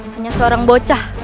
hanya seorang bocah